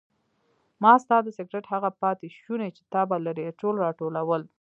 ما ستا د سګرټ هغه پاتې شوني چې تا به لرې اچول راټولول.